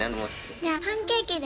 じゃあパンケーキで。